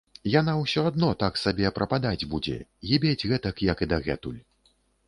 Яна ўсё адно так сабе прападаць будзе, гібець гэтак, як і дагэтуль.